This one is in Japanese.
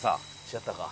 違ったか。